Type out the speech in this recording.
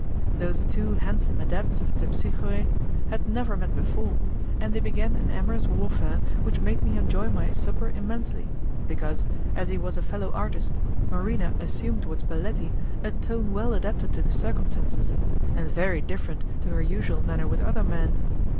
Those two handsome adepts of Terpsichore had never met before, and they began an amorous warfare which made me enjoy my supper immensely, because, as he was a fellow artist, Marina assumed towards Baletti a tone well adapted to the circumstances, and very different to her usual manner with other men.